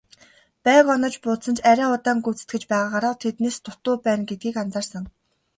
Байг онож буудсан ч арай удаан гүйцэтгэж байгаагаараа тэднээс дутуу байна гэдгийг анзаарсан.